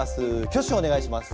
挙手をお願いします。